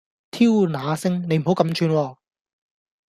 挑那星！你唔好咁串喎